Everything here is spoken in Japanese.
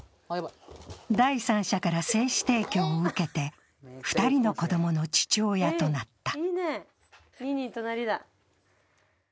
第三者から精子提供を受けて、２人の子供の父親となった。